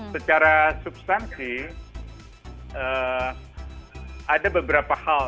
secara substansi ada beberapa hal